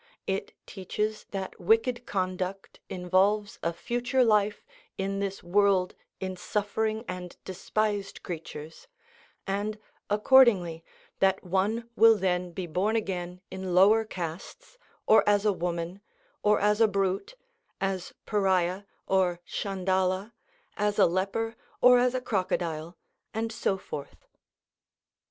It teaches that wicked conduct involves a future life in this world in suffering and despised creatures, and, accordingly, that one will then be born again in lower castes, or as a woman, or as a brute, as Pariah or Tschandala, as a leper, or as a crocodile, and so forth.